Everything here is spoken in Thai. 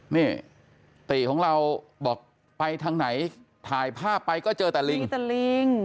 นี่ตรีที่เราบอกไปทางไหนถ่ายภาพไปก็เจอแต่ลิง